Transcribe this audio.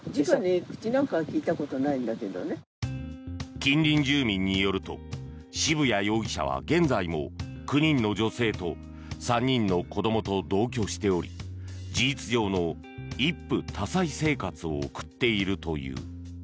近隣住民によると渋谷容疑者は現在も９人の女性と３人の子どもと同居しており事実上の一夫多妻生活を送っているという。